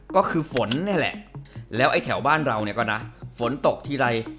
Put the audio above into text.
ก็คือฝนนี่แหละแล้วไอ้แถวบ้านเราเนี่ยก็นะฝนตกทีไร